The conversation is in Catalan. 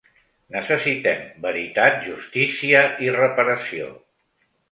Necessitem veritat, justícia i reparació.